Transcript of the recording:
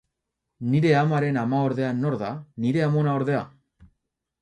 Nire amaren amaordea nor da, nire amonaordea?